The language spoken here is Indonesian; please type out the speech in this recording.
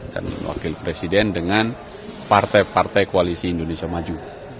dan wakil presiden dengan partai partai koalisi indonesia maju